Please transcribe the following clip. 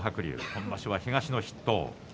今場所は東の筆頭。